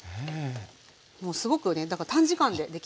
もうすごくね短時間でできます。